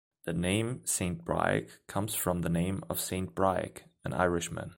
The name Saint Briac comes from the name of Saint Briac, an Irishman.